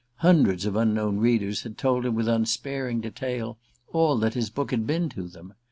Hundreds of unknown readers had told him with unsparing detail all that his book had been to them.